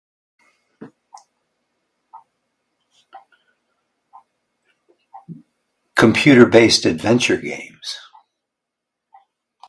Computer-based adventure games.